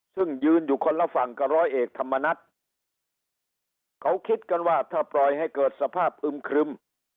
ซึ่งยืนอยู่คนละฝั่งกับร้อยเอกธรรมนัฐเขาคิดกันว่าถ้าปล่อยให้เกิดสภาพอึมครึม